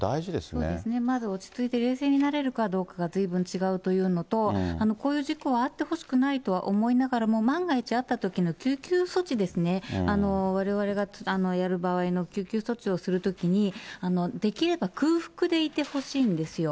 そうですね、まず落ち着いて冷静になれるかどうかがずいぶん違うというのと、こういう事故はあってほしくないと思いながらも、万が一、あったときの救急措置ですね、われわれがやる場合の救急措置をするときに、できれば空腹でいてほしいんですよ。